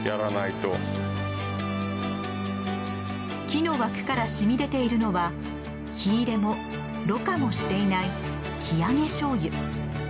木の枠から染み出ているのは火入れもろ過もしていない生揚醤油。